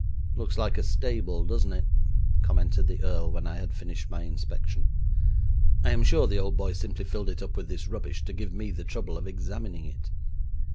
'Looks like a stable, doesn't it?' commented the earl, when I had finished my inspection. 'I am sure the old boy simply filled it up with this rubbish to give me the trouble of examining it.